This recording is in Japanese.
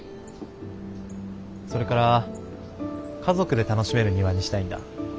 それから家族で楽しめる庭にしたいんだ。